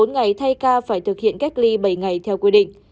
hai mươi bốn ngày thay ca phải thực hiện cách ly bảy ngày theo quy định